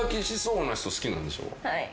はい。